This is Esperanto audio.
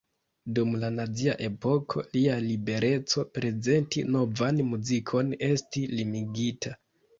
Dum la Nazia epoko, lia libereco prezenti novan muzikon estis limigita.